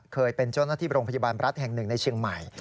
เคยเป็นเจ้าหน้าที่โรงพยาบาลรัฐแห่งหนึ่งในเชียงใหม่